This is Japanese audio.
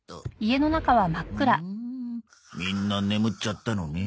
うんみんな眠っちゃったのね。